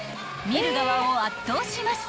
［見る側を圧倒します］